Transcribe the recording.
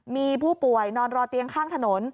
มีผู้ป่วยนอนรอเตียงข้างถนน